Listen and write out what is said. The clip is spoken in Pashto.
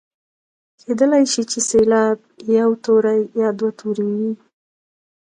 کیدلای شي چې سېلاب یو توری یا دوه توري وي.